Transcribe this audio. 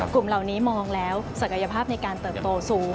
กลุ่มเหล่านี้มองแล้วศักยภาพในการเติบโตสูง